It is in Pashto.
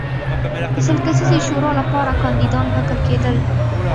د سل کسیزې شورا لپاره کاندیدان ټاکل کېدل.